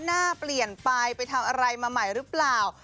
หน้าเปลี่ยนไปไปทำอะไรมาใหม่หรือเปล่า